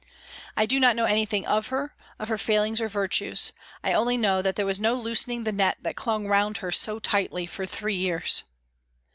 I do not know anything of her, of her failings or virtues ; I only know that there was no loosening the net that clung round her so tightly for three years.